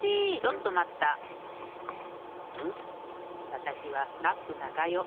わたしはラップながよ。